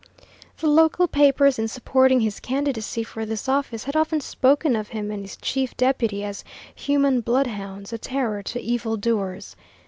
The local papers in supporting his candidacy for this office had often spoken of him and his chief deputy as human bloodhounds, a terror to evil doers.